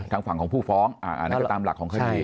ทางฝั่งของผู้ฟ้องอันนั้นก็ตามหลักของคดี